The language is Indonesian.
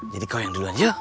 jadi kau yang duluan ya